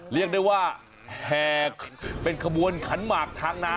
เรียกได้ว่าแห่เป็นขบวนขันหมากทางน้ำ